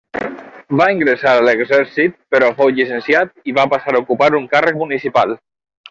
Va ingressar a l'exèrcit però fou llicenciat i va passar a ocupar un càrrec municipal.